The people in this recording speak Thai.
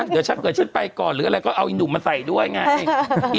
เดี๋ยวฉันไปก่อนหรืออะไรก็เอาหนุ่มมาใส่ด้วยไง